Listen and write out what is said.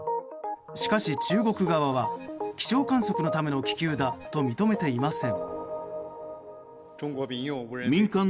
しかし、中国側は気象観測のための気球だと認めていません。